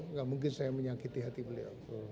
nggak mungkin saya menyakiti hati beliau